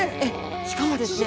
しかもですね